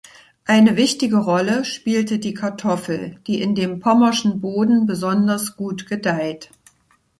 Eine wichtige Rolle spielte die Kartoffel, die in dem pommerschen Boden besonders gut gedeiht.